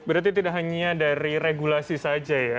berarti tidak hanya dari regulasi saja ya